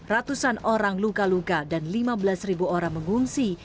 ratusan orang luka luka dan lima belas ribu orang mengungsi